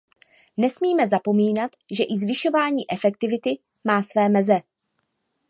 Nesmíme zapomínat, že i zvyšování efektivity má své meze.